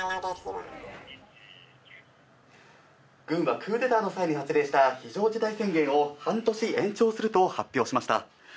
軍はクーデターの際に発令した非常事態宣言を半年延長すると発表しました。